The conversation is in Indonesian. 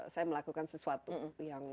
saya melakukan sesuatu yang